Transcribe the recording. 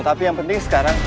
tapi yang penting sekarang